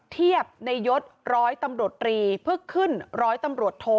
เทียบในยศร้อยตำรวจรีเพื่อขึ้นร้อยตำรวจโท